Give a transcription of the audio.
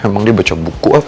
emang dia baca buku